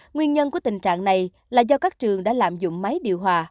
nguyên nhân của tình trạng này là do các trường đã lạm dụng máy điều hòa